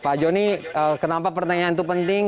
pak joni kenapa pertanyaan itu penting